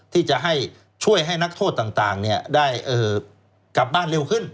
ที่จะให้ช่วยให้นักโทษต่างได้กลับบ้านเร็วขึ้น